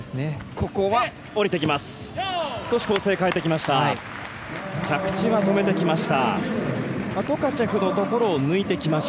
ここは下りてきます。